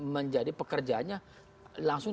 menjadi pekerjaannya langsung